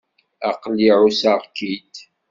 Aql-i εusseɣ-k-id.